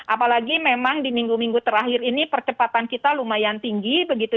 apalagi memang di minggu minggu terakhir ini percepatan kita lumayan tinggi begitu